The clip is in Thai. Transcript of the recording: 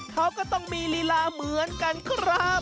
เขาก็ต้องมีลีลาเหมือนกันครับ